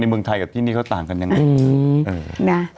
เมืองไทยกับที่นี่เขาต่างกันยังไง